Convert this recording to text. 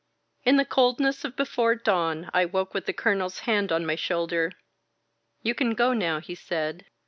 In the coldness of before dawn I woke with the ft Colonel's hand on my shoulder. "You can go now," he said.